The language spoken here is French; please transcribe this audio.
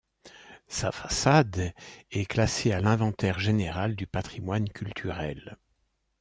Sa façade est classée à l'Inventaire général du patrimoine culturel.